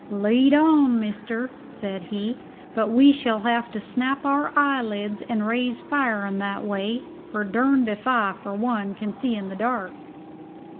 "Lead on, mister," said he; "but we shall have to snap our eyelids and raise fire in that way, for durned if I, for one, can see in the dark."